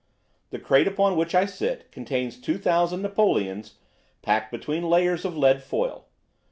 The crate upon which I sit contains 2,000 napoleons packed between layers of lead foil.